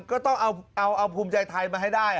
ก็ต้องเอาภูมิใจไทยมาให้ได้